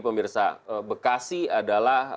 pemirsa bekasi adalah